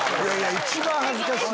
一番恥ずかしい。